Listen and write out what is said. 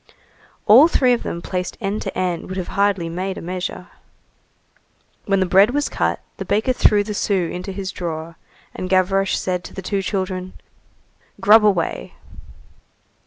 All three of them placed end to end would have hardly made a measure. When the bread was cut, the baker threw the sou into his drawer, and Gavroche said to the two children:— "Grub away."